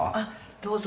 どうぞ。